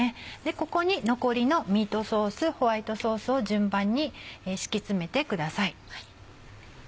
ここに残りのミートソースホワイトソースを順番に敷き詰めてください。